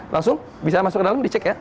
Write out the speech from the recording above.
langsung bisa masuk ke dalam dicek ya